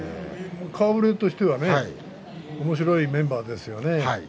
顔ぶれとしてはおもしろいメンバーですよね。